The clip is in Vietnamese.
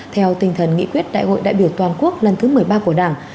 theo tinh thần nghị quyết đại hội đại biểu toàn quốc lần thứ một mươi ba của đảng